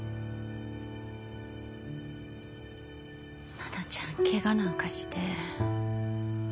奈々ちゃんケガなんかして。